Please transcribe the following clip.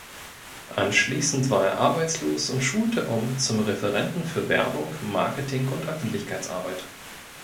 Anschließend war er arbeitslos und schulte um zum Referenten für Werbung, Marketing und Öffentlichkeitsarbeit.